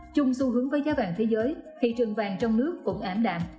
chung xu hướng với giá vàng thế giới thị trường vàng trong nước cũng ảm đạm